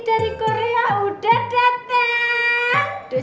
dari korea udah datang